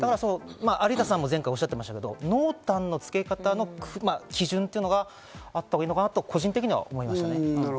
有田さんも前回おっしゃっていましたが、濃淡のつけ方の基準というのがあったほうがいいのかなと個人的に思いました。